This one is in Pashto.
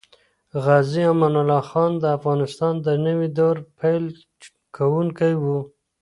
غازي امان الله خان د افغانستان د نوي دور پیل کوونکی وو.